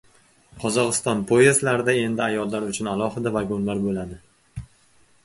Qozog‘iston poyezdlarida endi ayollar uchun alohida vagonlar bo‘ladi